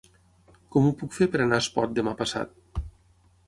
Com ho puc fer per anar a Espot demà passat?